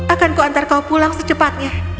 akan kuantar kau pulang secepatnya